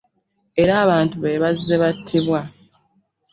Era abantu be bazze battibwa